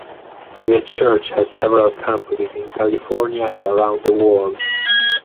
The church has several campuses in California and around the world.